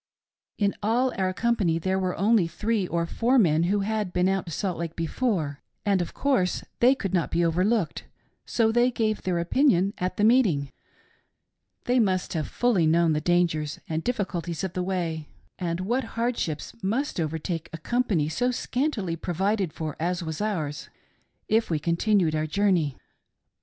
In all our company there were only three or four men who had been out to Salt Lake before, and of course they could not be overlooked, so they gave their opinion at the meeting. They must have fully known the dangers and difficulties of the way, and what hardships must overtake a company so scantily provided for as was ours, if we continued our journey.